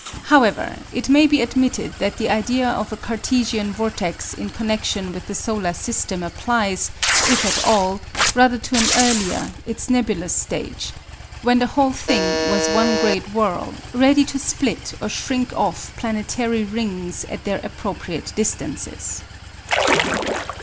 However, it may be admitted that the idea of a Cartesian vortex in connexion with the solar system applies, if at all, rather to an earlier its nebulous stage, when the whole thing was one great whirl, ready to split or shrink off planetary rings at their appropriate distances.